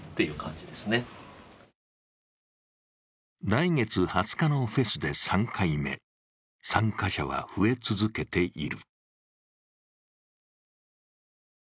来月２０日のフェスで３回目、参加者は増え続けている。